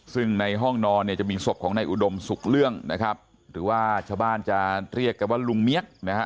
ซึ่งในห้องนอนเนี่ยจะมีศพของนายอุดมสุขเรื่องนะครับหรือว่าชาวบ้านจะเรียกกันว่าลุงเมียกนะฮะ